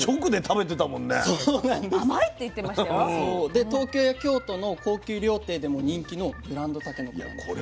で東京や京都の高級料亭でも人気のブランドたけのこなんですね。